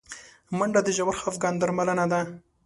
منډه د ژور خفګان درملنه ده